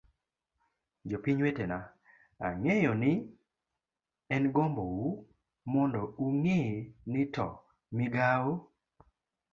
jopiny wetena, ang'eyo ni en gombo u mondo ung'e ni to migawo